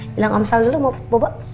bilang om sal dulu mau bobo